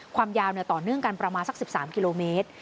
ความยาวต่อเนื่องกันประมาณสัก๑๓กิโลเมตร